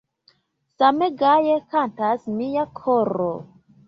Same gaje kantas mia koro!